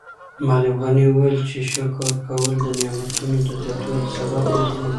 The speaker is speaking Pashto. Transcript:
معلم غني وویل چې شکر کول د نعمتونو د زیاتوالي سبب ګرځي.